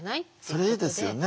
それいいですよね。